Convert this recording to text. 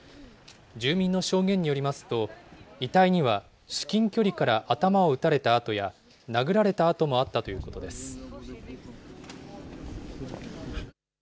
住民の証言によりますと、遺体には至近距離から頭を撃たれた痕や、殴られた痕もあったということです。